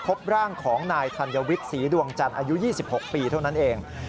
พบร่างของนายธัญวิทย์ศรีดวงจันทร์อายุ๒๖ปีเท่านั้นเอง